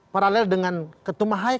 paralel dengan ketua mahaya